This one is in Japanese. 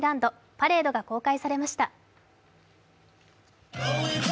パレードが公開されました。